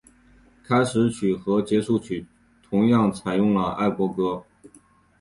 开始曲和结束曲同样采用了爱国歌。